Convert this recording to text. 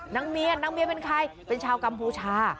นางเมียนางเมียเป็นใครเป็นชาวกัมพูชา